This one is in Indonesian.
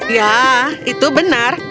ya itu benar